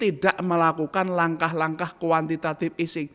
tidak melakukan langkah langkah kuantitatif isi